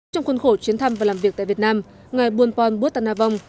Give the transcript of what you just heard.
trong khuôn khổ chuyến thăm và làm việc tại việt nam ngày buôn pon buốt tà na vong